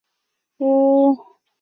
其作品多集中于动画游戏领域。